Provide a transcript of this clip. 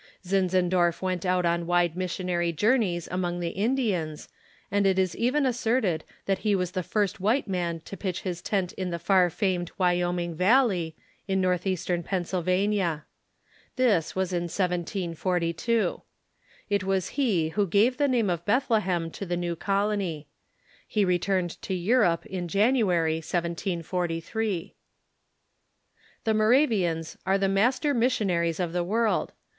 Zinzendorf went out on wide missionary journeys among the Indians, and it is even asserted that he was the first white man to pitch his tent in the far famed Wyoming Valley, in northeastern Pennsylva nia. This was in 1742. It was he who gave the name of Bethlehem to the new colony. He returned to Euroj^e in Jan uary, 1743. The Moravians are the master missionaries of the world.